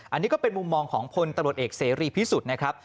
อันนี้ก็เป็นมุมมองของพลตำรวจเอกเสรีพิสุทธิ์นะครับ